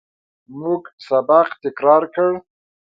موږ سبق تکرار کړ.